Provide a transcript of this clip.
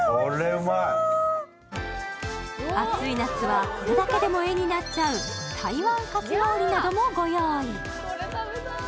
暑い夏はこれだけでも絵になっちゃう台湾かき氷などもご用意。